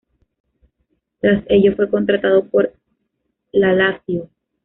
Tras ello, fue contratado por la Lazio.